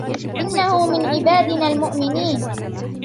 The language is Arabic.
إِنَّهُ مِنْ عِبَادِنَا الْمُؤْمِنِينَ